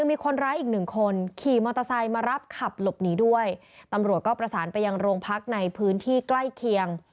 มีคนร้ายอีกหนึ่งคนขี่มอเตอร์ไซค์มารับขับหลบหนีด้วยตำรวจก็ประสานไปยังโรงพักในพื้นที่ใกล้เคียง